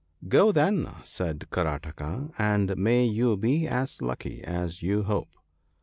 ' Go, then/ said Karataka ;' and may you be as lucky as you hope.'